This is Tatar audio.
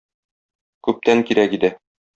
Күптән кирәк иде.